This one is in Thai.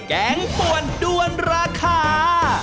แกงป่วนด้วนราคา